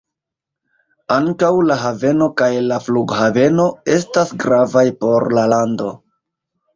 Ankaŭ la haveno kaj la flughaveno estas gravaj por la lando.